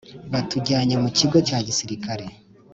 batujyanye mu kigo cya gisirikare